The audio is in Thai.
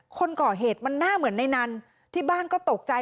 คนก่อเหตุมันหน้าเหมือนในนั้นที่บ้านก็ตกใจ